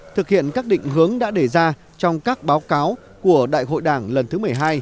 thực hiện các định hướng đã đề ra trong các báo cáo của đại hội đảng lần thứ một mươi hai